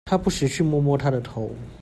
他不時去摸摸她的頭